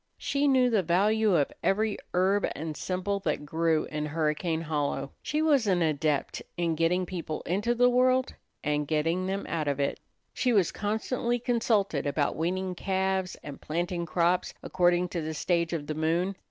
She knew the value of every herb and simple that grew in Hurricane Hollow. She was an adept in getting people into the world and getting them out of it. She was constantly consulted about weaning calves, and planting crops according to the stage of the moon.